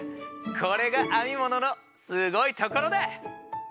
これが編み物のすごいところだ！